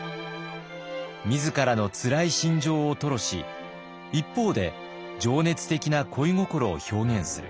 自らのつらい心情を吐露し一方で情熱的な恋心を表現する。